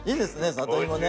里芋ね。